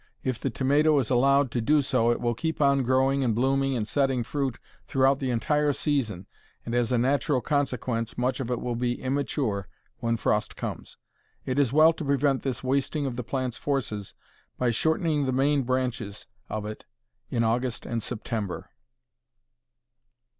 If the tomato is allowed to do so it will keep on growing and blooming and setting fruit throughout the entire season, and as a natural consequence much of it will be immature when frost comes. It is well to prevent this wasting of the plant's forces by shortening the main branches of it in August and September.